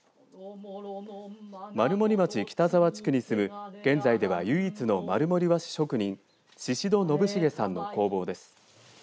丸森町北沢地区に住む現在では唯一の丸森和紙職人宍戸信成さんの工房です。